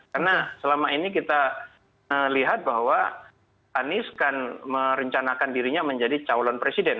karena selama ini kita lihat bahwa anies kan merencanakan dirinya menjadi calon presiden